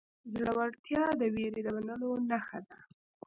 زړورتیا د وېرې د منلو نښه ده.